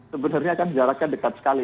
sebenarnya kan jaraknya dekat sekali